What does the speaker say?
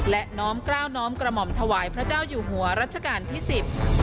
และน้อมกล้าวน้อมกระหม่อมถวายพระเจ้าอยู่หัวรัชกาลที่สิบ